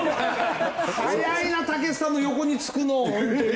早いなたけしさんの横に付くの本当に。